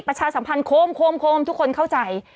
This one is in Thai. ประชาสัมพันธ์โคมทุกคนเข้าใจ